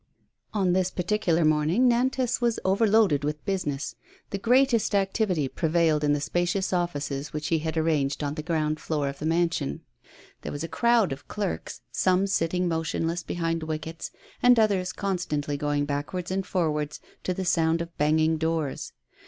On this particular morning Nantas was overloaded with business. The greatest activity prevailed in the spacious offices which he had arranged on the ground floor of the mansion. There was a crowd of clerks, some sitting motionless behind wickets, and others constantly going backwards and forwards, to the sound of banging doors.